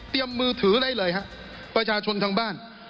เตรียมมือถือได้เลยประชาชนทั้งบ้าน